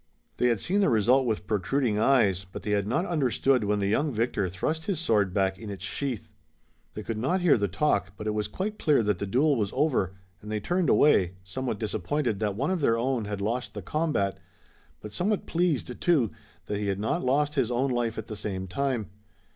They had seen the result with protruding eyes, but they had not understood when the young victor thrust his sword back in its sheath. They could not hear the talk, but it was quite clear that the duel was over, and they turned away, somewhat disappointed that one of their own had lost the combat, but somewhat pleased, too, that he had not lost his own life at the same time.